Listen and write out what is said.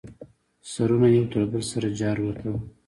سرونه یې یو تر بله سره جارواته.